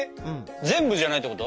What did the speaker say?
全部じゃないってこと？